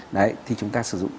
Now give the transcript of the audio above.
đấy thì chúng ta sử dụng